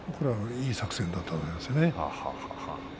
いい作戦だったと思いますよ。